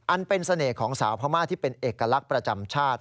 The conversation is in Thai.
อันเป็นเสน่ห์ของสาวพม่าที่เป็นเอกลักษณ์ประจำชาติ